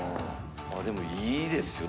でもいいですよ。